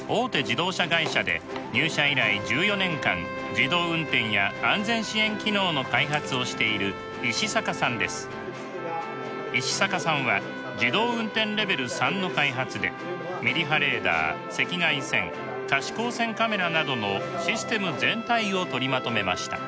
自動運転や安全支援機能の開発をしている石坂さんは自動運転レベル３の開発でミリ波レーダー赤外線可視光線カメラなどのシステム全体を取りまとめました。